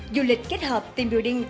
du lịch kết hợp team building